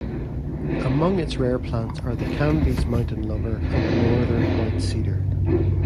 Among its rare plants are the Canby's mountain lover and the northern white cedar.